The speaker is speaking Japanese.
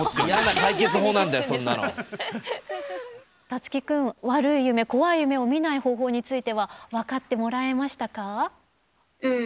樹生くん悪い夢こわい夢を見ない方法については分かってもらえましたか？